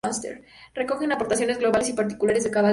Recogen aportaciones globales y particulares de cada lengua.